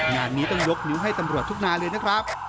งานนี้ต้องยกนิ้วให้ตำรวจทุกนายเลยนะครับ